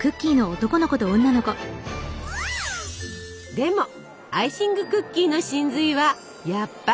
でもアイシングクッキーの神髄はやっぱりここ！